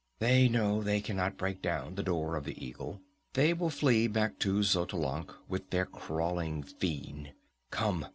"They know they cannot break down the Door of the Eagle. They will flee back to Xotalanc, with their crawling fiend. Come!